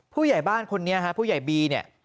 ผู้ใหญ่บ้านคนนี้ผู้ใหญ่บี